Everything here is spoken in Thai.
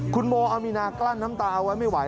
คุณโมอามีนากลั้นน้ำตาเอาไว้ไม่ไหว